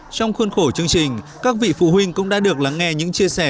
trong khuôn khổ chương trình các vị phụ huynh cũng đã được lắng nghe những chia sẻ